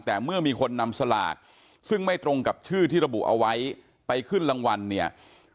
แต่เมื่อมีคนนำสลากซึ่งไม่ตรงกับชื่อที่ระบุเอาไว้ไปขึ้นรางวัลเนี่ย